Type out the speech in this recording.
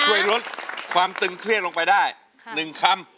ช่วยลดความตึงเครียดลงไปได้๑คำ